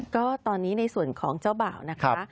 ก็ตอนนี้ในส่วนของเจ้าบ่าวนะคะ